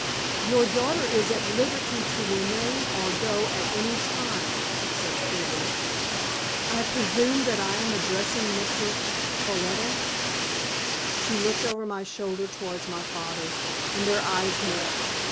"Your daughter is at liberty to remain or go at any time," she said, coolly. "I presume that I am addressing Mr. Ffolliot?" She looked over my shoulder towards my father, and their eyes met.